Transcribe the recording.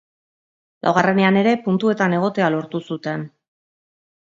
Laugarrenean ere puntuetan egotea lortu zuten.